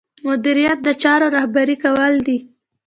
مدیریت د چارو رهبري کول دي.